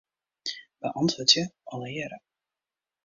Beäntwurdzje allegearre.